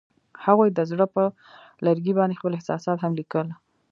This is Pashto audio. هغوی د زړه پر لرګي باندې خپل احساسات هم لیکل.